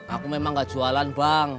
aku memang gak jualan bang